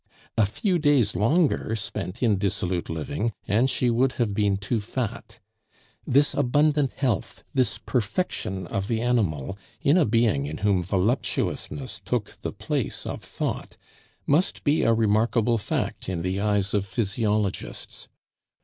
A few days longer spent in dissolute living, and she would have been too fat. This abundant health, this perfection of the animal in a being in whom voluptuousness took the place of thought, must be a remarkable fact in the eyes of physiologists.